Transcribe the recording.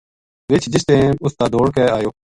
رِچھ جس ٹیم اس تا دوڑ کے آیو